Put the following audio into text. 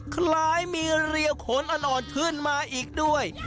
คล้ายมีเรียวโขนอ่อนขึ้นมาอีกด้วย